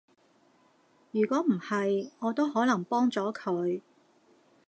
如果唔係，我都可能幫咗佢